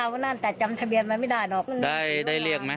วันนี้จำทะเบียนไว้ไม่ได้หรอก